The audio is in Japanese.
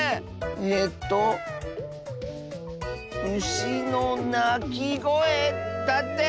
えと「うしのなきごえ」だって！